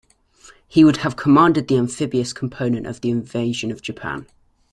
He would have commanded the amphibious component of the invasion of Japan.